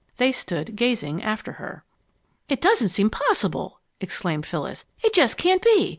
They stood gazing after her. "It doesn't seem possible!" exclaimed Phyllis. "It just can't be!